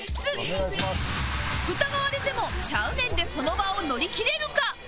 疑われても「ちゃうねん」でその場を乗り切れるか？